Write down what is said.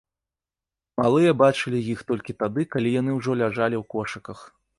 Малыя бачылі іх толькі тады, калі яны ўжо ляжалі ў кошыках.